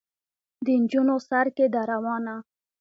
د نجونو سر کې ده روانه.